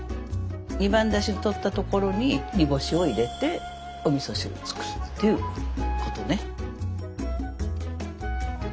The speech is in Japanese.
二番だしをとったところににぼしを入れておみそ汁を作るっていうことね。